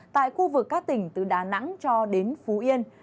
tại khu vực các tỉnh từ đà nẵng cho đến phú yên